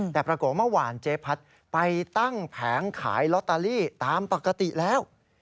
แต่ปรากฏเมื่อวานเจ๊พัดไปตั้งแผงขายลอตเตอรี่ตามปกติแล้ว